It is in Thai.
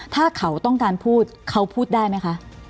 ถ้าเขาต้องการพูดเขาพูดได้ไหมคะ